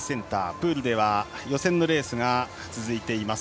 プールでは予選のレースが続いています。